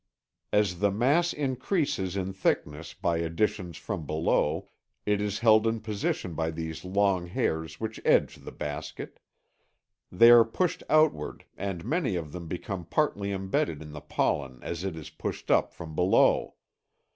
As the mass increases in thickness by additions from below it is held in position by these long hairs which edge the basket. They are pushed outward and many of them become partly embedded in the pollen as it is pushed up from below.